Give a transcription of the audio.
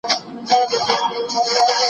د حق غوښتنه کول د هر انسان مسؤلیت دی.